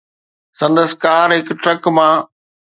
سندس ڪار هڪ ٽرڪ مان